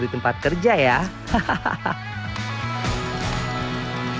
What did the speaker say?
di tempat kerja ya hahaha